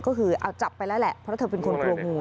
ก็คือเอาจับไปแล้วแหละเพราะเธอเป็นคนกลัวงู